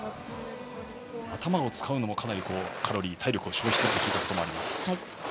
頭を使うのもかなりカロリー、体力を消費すると聞いたこともあります。